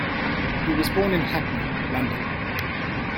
He was born in Hackney, London.